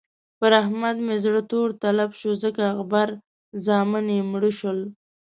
پر احمد مې زړه تور تلب شو ځکه غبر زامن يې مړه شول.